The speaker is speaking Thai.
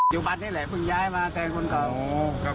อยู่บ้านนี้แหละเพิ่งย้ายมาแทนคนครอบ